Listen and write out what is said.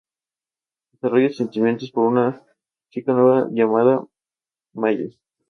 Desarrolla sentimientos por una chica nueva llamada Maya St.